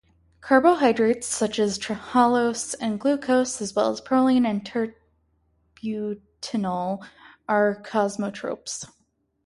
Carbohydrates such as trehalose and glucose, as well as proline and "tert"-butanol, are kosmotropes.